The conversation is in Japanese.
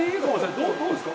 どうですか。